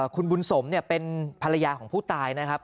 คุณบุญสมเป็นภรรยาของผู้ตายนะครับ